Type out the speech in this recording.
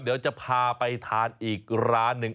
เดี๋ยวจะพาไปทานอีกร้านหนึ่ง